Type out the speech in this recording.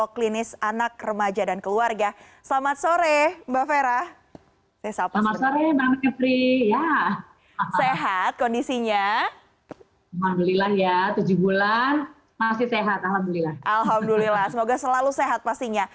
alhamdulillah semoga selalu sehat pastinya